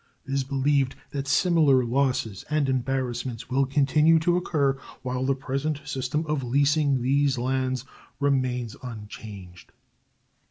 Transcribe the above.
It is believed that similar losses and embarrassments will continue to occur while the present System of leasing these lands remains unchanged.